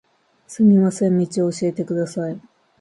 すみません、道を教えてください。